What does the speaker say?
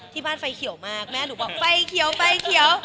ไฟเขียวมากแม่หนูบอกไฟเขียวไฟเขียว